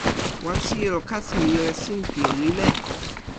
wan sijelo kasi li jo e sinpin li leko.